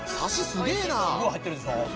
すごい入ってるでしょ